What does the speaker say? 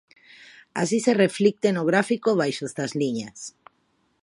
Así se reflicte no gráfico baixo estas liñas.